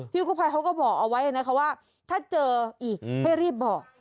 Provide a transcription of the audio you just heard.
กู้ภัยเขาก็บอกเอาไว้นะคะว่าถ้าเจออีกให้รีบบอก